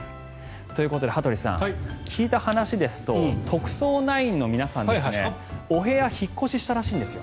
ということで羽鳥さん、聞いた話ですと「特捜９」の皆さん、お部屋引っ越ししたらしいんですよ